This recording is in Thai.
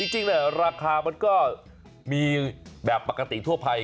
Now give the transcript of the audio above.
จริงราคามันก็มีแบบปกติทั่วไป